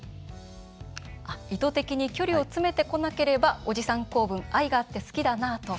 「意図的に距離を詰めてこなければおじさん構文愛があって好きだなぁ」と。